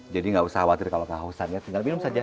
jadi nggak usah khawatir kalau kehausannya tinggal minum saja